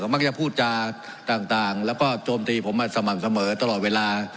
มักจะพูดจาต่างแล้วก็โจมตีผมมาสม่ำเสมอตลอดเวลา